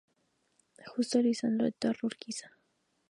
Justo, Lisandro de la Torre, Urquiza.